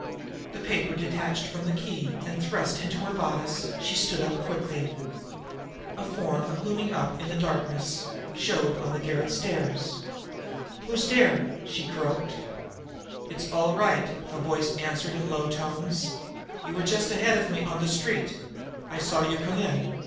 The paper detached from the key and thrust into her bodice, she stood up quickly. A form, looming up even in the darkness, showed on the garret stairs. "Who's dere?" she croaked. "It's all right," a voice answered in low tones. "You were just ahead of me on the street. I saw you come in.